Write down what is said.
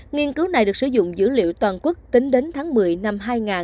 nghiên cứu này được sử dụng dữ liệu toàn quốc tính đến tháng một mươi năm hai nghìn hai mươi ba